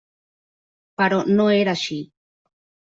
Però no era així.